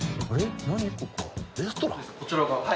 こちらが？